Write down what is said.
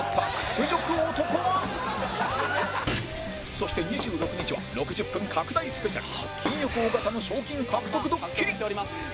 そして２６日は６０分拡大スペシャル金欲・尾形の賞金獲得ドッキリ